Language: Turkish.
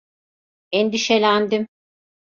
Endişelendim.